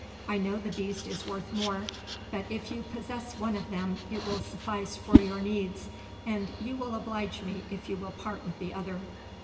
I know the beast is worth more; but if you possess one of them it will suffice for your needs, and you will oblige me if you will part with the other."